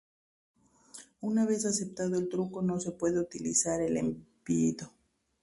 Una vez aceptado el truco no se puede utilizar el envido.